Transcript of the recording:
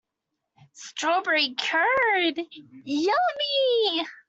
Strawberry curd, yummy!